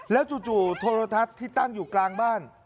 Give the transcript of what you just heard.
แล้วจู่โทรทัศน์ที่ตั้งอยู่กลางบ้าน